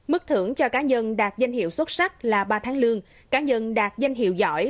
mức thưởng cho cá nhân đạt danh hiệu xuất sắc là ba tháng lương cá nhân đạt danh hiệu giỏi